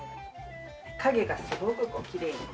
影がすごくこうきれいに。